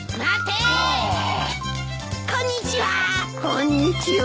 こんにちは！